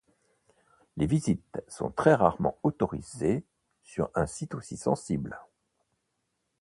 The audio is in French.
Les visites sont très rarement autorisées sur un site aussi sensible.